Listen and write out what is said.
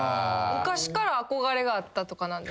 昔から憧れがあったとかなんですか？